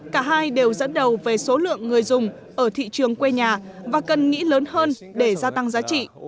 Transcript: cả hai đều dẫn đầu về số lượng người dùng ở thị trường quê nhà và cần nghĩ lớn hơn để gia tăng giá trị